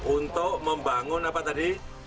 untuk membangun apa tadi